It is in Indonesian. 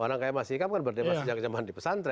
orang kayak mas ikam kan berdebat sejak zaman di pesantren